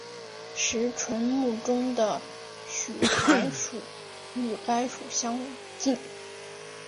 石莼目中的浒苔属与该属相近。